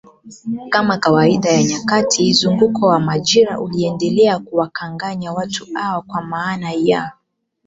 Kama kawaida ya nyakati mzunguko wa majira uliendelea kuwakanganya watu hawa kwa Maana ya